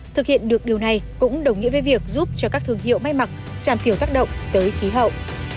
thực hiện được điều này cũng đồng nghĩa với việc giúp cho các thương hiệu may mặc giảm thiểu tác động tới khí hậu